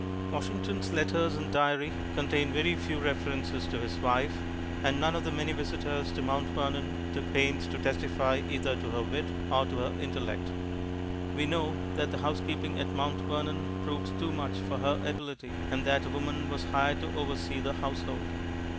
Washington's letters and diary contain very few references to his wife, and none of the many visitors to Mount Vernon took pains to testify either to her wit or to her intellect. We know that the housekeeping at Mount Vernon proved too much for her ability, and that a woman was hired to oversee the household.